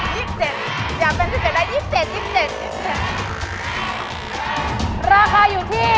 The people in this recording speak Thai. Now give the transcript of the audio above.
อย่าเป็นสุดเดียวว่า๒๗อย่างนี้